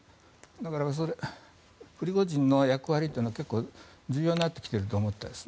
だからプリゴジンの役割というのは結構重要になってきていると思います。